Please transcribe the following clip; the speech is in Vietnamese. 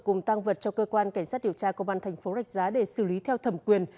cùng tăng vật cho cơ quan cảnh sát điều tra công an thành phố rạch giá để xử lý theo thẩm quyền